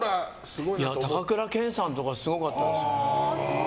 高倉健さんとかすごかったですね。